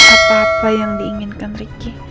apa apa yang diinginkan ricky